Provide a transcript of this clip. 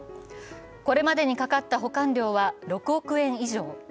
これまでにかかった保管料は６億円以上。